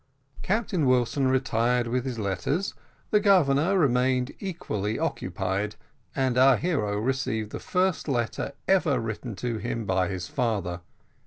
Captain Wilson retired with his letters; the Governor remained equally occupied; and our hero received the first letter ever written to him by his father.